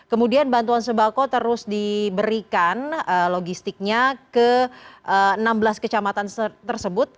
kemudian bantuan sebako terus diberikan logistiknya ke enam belas kecamatan tersebut